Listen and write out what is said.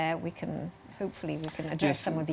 semoga kita bisa menangani beberapa masalah ini